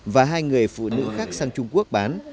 và hai người phụ nữ khác sang trung quốc bán